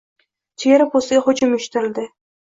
Chegara postiga hujum uyushtirildi